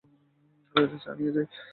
রাজা, চা নিয়ে আই।